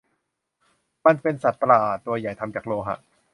มันเป็นสัตว์ประหลาดตัวใหญ่ทำจากโลหะ